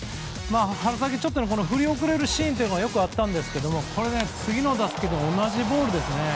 春先、ちょっと振り遅れるシーンというのがよくあったんですけど次の打席でも同じボールですね。